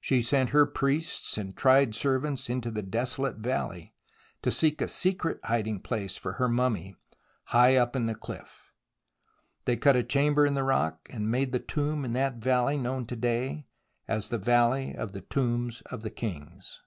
She sent her priests and tried servants into the desolate valley, to seek a secret hiding place for her mummy high up in the cliff. They cut a chamber in the rock, and made the tomb in that valley known to day as the Valley of the '^ombs of the Kings.